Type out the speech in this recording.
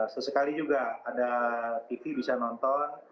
sesekali juga ada tv bisa nonton